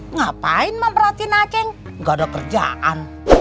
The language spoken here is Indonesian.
ngapain mak merhatiin acing gak ada kerjaan